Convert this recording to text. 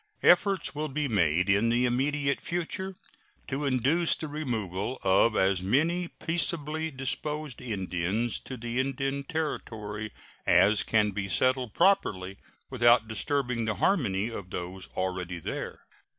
Efforts will be made in the immediate future to induce the removal of as many peaceably disposed Indians to the Indian Territory as can be settled properly without disturbing the harmony of those already there.